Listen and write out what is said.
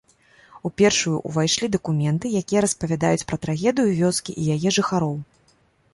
У першую ўвайшлі дакументы, якія распавядаюць пра трагедыю вёскі і яе жыхароў.